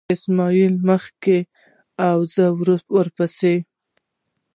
اسماعیل مخکې و او زه ورپسې.